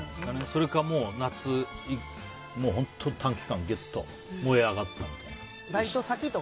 それかもう夏本当、短期間ぎゅっと燃え上がったみたいな。